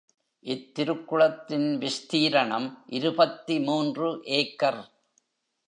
இத் திருக்குளத்தின் விஸ்தீரணம் இருபத்து மூன்று ஏக்கர்.